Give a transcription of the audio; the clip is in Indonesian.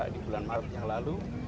di bulan maret yang lalu